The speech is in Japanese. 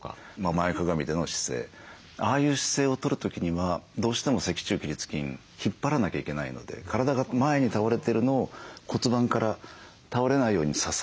前かがみでの姿勢ああいう姿勢をとる時にはどうしても脊柱起立筋引っ張らなきゃいけないので体が前に倒れてるのを骨盤から倒れないように支えてやる。